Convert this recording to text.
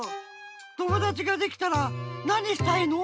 友だちができたらなにしたいの？